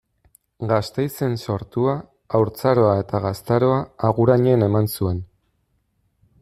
Gasteizen sortua, haurtzaroa eta gaztaroa Agurainen eman zuen.